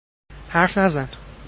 حرف نزن.